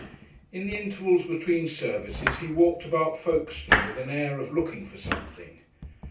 In the intervals between services he walked about Folkestone with an air of looking for something.